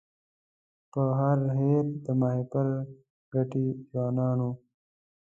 پر هر هېر د ماهیپر ګټي ځوانانو